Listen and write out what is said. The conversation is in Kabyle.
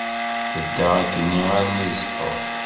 Tedda akkenni armi d ṣṣḥur.